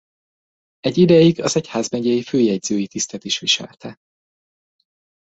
Egy ideig az egyházmegyei főjegyzői tisztet is viselte.